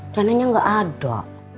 renanya gak ada